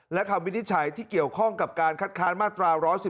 และคำวินิจฉัยที่เกี่ยวข้องกับการคัดค้านมาตรา๑๑๒